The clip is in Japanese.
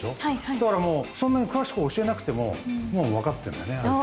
だからもうそんなに詳しく教えなくてももう分かってんだよね。